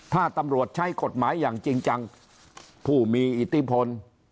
ถ้าตำรวจใช้กฎหมายอย่างจริงจังผู้มีอิทธิพล